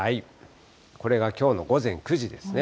これがきょうの午前９時ですね。